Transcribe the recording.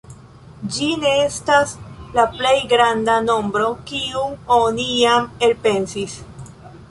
Ĝi ne estas la plej granda nombro, kiun oni iam elpensis.